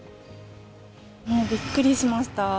もうびっくりしました。